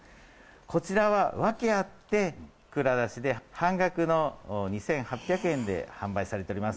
こちらはワケあってＫＵＲＡＤＡＳＨＩで半額の２８００円で販売されております。